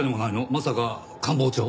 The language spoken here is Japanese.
まさか官房長？